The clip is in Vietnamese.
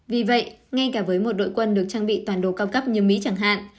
vì vậy ngay cả với một đội quân được trang bị toàn đồ cao cấp như mỹ chẳng hạn